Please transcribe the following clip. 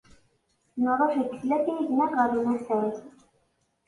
Nṛuḥ deg tlata yid-neɣ ɣer unafag.